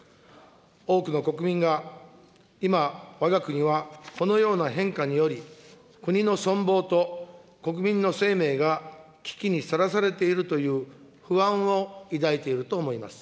多くの国民が今、わが国はこのような変化により、国の存亡と国民の生命が危機にさらされているという不安を抱いていると思います。